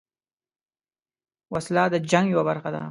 وسله د جنګ یوه برخه ده